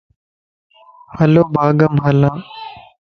ھلو باغ ءَ مَ ھلان